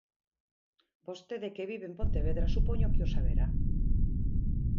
Vostede, que vive en Pontevedra, supoño que o saberá.